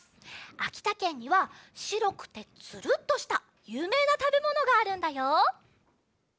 あきたけんにはしろくてつるっとしたゆうめいなたべものがあるんだよ。